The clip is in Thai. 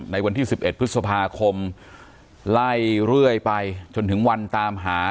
ในวันที่๑๑พฤษภาคมไล่เรื่อยไปจนถึงวันตามหา